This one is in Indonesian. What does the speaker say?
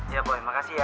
iya boy makasih ya